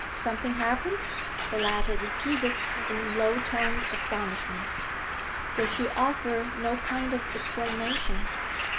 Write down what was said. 'Something happened?' the latter repeated, in low toned astonishment. 'Does she offer no kind of explanation?'